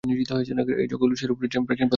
এই যজ্ঞগুলিও সেইরূপ প্রাচীন প্রথামাত্র ছিল।